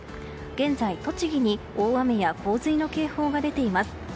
現在、栃木に大雨や洪水の警報が出ています。